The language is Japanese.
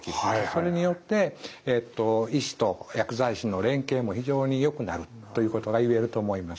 それによって医師と薬剤師の連携も非常によくなるということがいえると思います。